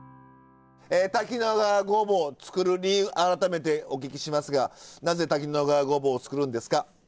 滝野川ごぼうを作る理由改めてお聞きしますがなぜ滝野川ごぼうを作るんですか？